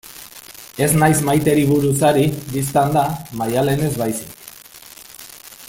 Ez naiz Maiteri buruz ari, bistan da, Maialenez baizik.